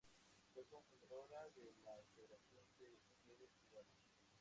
Fue cofundadora de la Federación de Mujeres Cubanas.